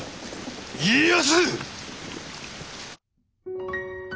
家康！